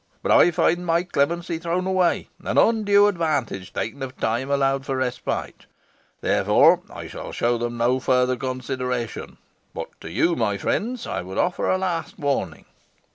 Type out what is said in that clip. But I find my clemency thrown away, and undue advantage taken of the time allowed for respite; therefore, I shall show them no further consideration. But to you, my friends, I would offer a last warning.